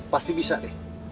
pasti bisa deh